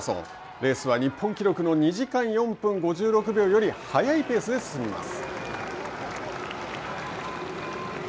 レースは日本記録の２時間４分５６秒より速いペースで進みます。